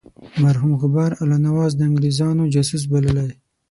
مرحوم غبار الله نواز د انګرېزانو جاسوس بللی.